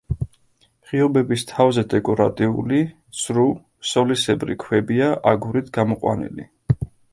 ღიობების თავზე დეკორატიული, ცრუ, სოლისებრი ქვებია, აგურით გამოყვანილი.